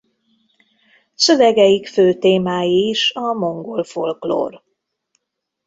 Szövegeik fő témái is a mongol folklór.